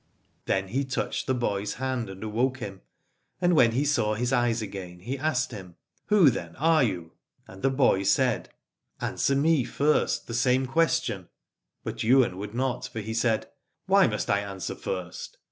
Then he touched the boy's hand and awoke him, and when he saw his eyes again, he asked him : Who, then, are you ? And the boy said : Answer me first the same question. But Ywain would not, for he said : Why must I answer first